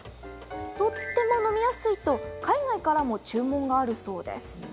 とても飲みやすいと海外からも注文があるそうです。